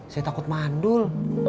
saya takut mandul